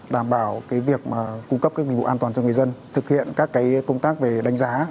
đảm bảo việc cung cấp các dịch vụ an toàn cho người dân thực hiện các công tác về đánh giá